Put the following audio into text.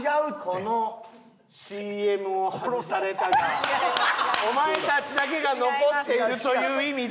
「このＣＭを外されたがお前たちだけが残っている」という意味で。